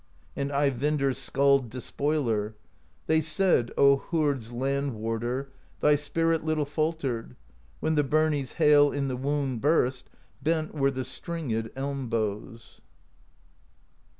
And Eyvindr Skald Despoiler: • They said, O Hords' Land Warder, Thy spirit Httle faltered. When the Birnie's Hail in the wound burst; Bent were the stringed elm bows.